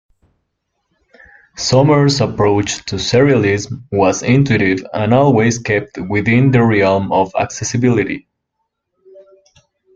Somers's approach to serialism was intuitive and always kept within the realm of accessibility.